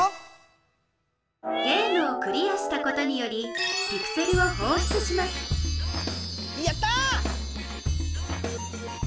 ゲームをクリアしたことによりピクセルをほうしゅつしますやった！